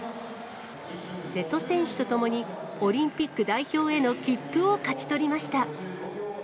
瀬戸選手と共に、オリンピック代表への切符を勝ち取りました。